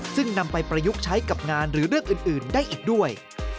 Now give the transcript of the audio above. ซึ่งนำไปประยุกต์ใช้กับงานหรือเรื่องอื่นได้อีกด้วย